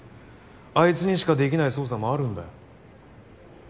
あいつにしか出来ない捜査もあるんだよ。